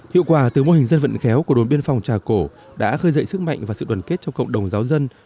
hiệu quả từ mô hình dân vận khéo của đồn biên phòng trà cổ đã khơi dậy sức mạnh và sự đoàn kết trong cộng đồng giáo dân